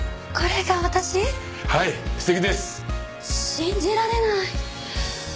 信じられない。